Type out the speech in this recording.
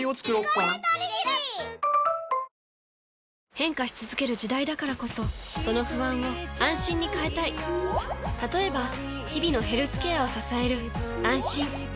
変化し続ける時代だからこそその不安を「あんしん」に変えたい例えば日々のヘルスケアを支える「あんしん」